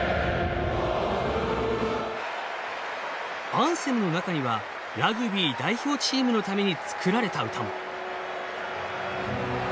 アンセムの中にはラグビー代表チームのために作られた歌も。